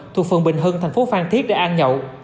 thuộc phường bình hưng thành phố phan thiết để ăn nhậu